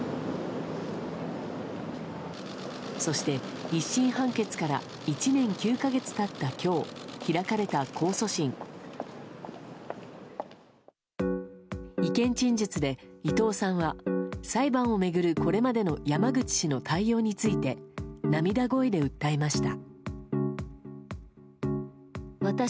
そして、１審判決から１年９か月経った今日開かれた控訴審。意見陳述で、伊藤さんは裁判を巡るこれまでの山口氏の対応について涙声で訴えました。